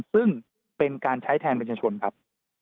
ซึ่งเป็นการใช้แทนประชาชนครับ